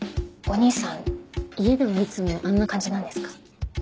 お兄さん家ではいつもあんな感じなんですか？